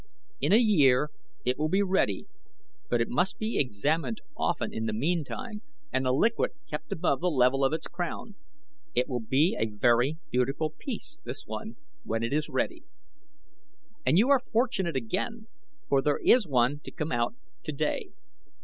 In a year it will be ready; but it must be examined often in the meantime and the liquid kept above the level of its crown. It will be a very beautiful piece, this one, when it is ready. "And you are fortunate again, for there is one to come out today."